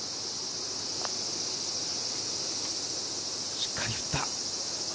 しっかり振った。